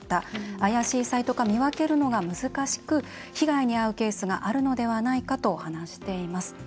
怪しいサイトか見分けるのが難しく、被害に遭うケースがあるのではないかと話しています。